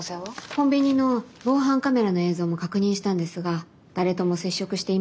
コンビニの防犯カメラの映像も確認したんですが誰とも接触していませんでした。